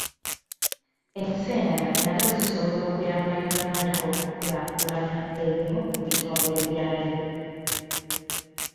Ensi endala nazo zisobola okuyamba Uganda okukulaakulanya ebimu ku bitongole byayo.